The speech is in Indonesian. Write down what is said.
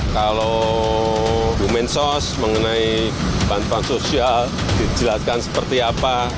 kalau bu mensos mengenai bantuan sosial dijelaskan seperti apa